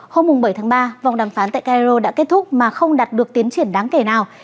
hôm bảy tháng ba vòng đàm phán tại cairo đã kết thúc mà không đạt được tiến triển đáng kể nào